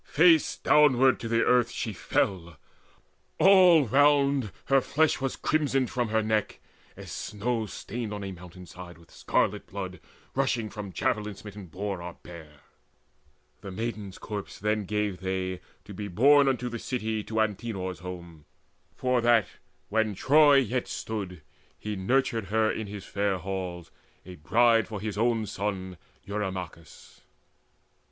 Face downward to the earth she fell: all round Her flesh was crimsoned from her neck, as snow Stained on a mountain side with scarlet blood Rushing, from javelin smitten boar or bear. The maiden's corpse then gave they, to be borne Unto the city, to Antenor's home, For that, when Troy yet stood, he nurtured her In his fair halls, a bride for his own son Eurymachus.